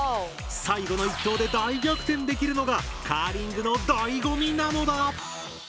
最後の１投で大逆転できるのがカーリングのだいごみなのだ。